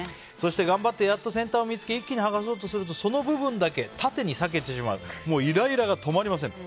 頑張ってやっと先端を見つけ一気に剥がそうとするとその部分だけ縦に裂けてしまってもうイライラが止まりません。